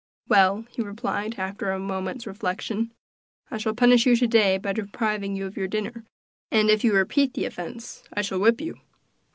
"Well," he replied, after a moment's reflection, "I shall punish you to day by depriving you of your dinner, and if you repeat the offence I shall whip you."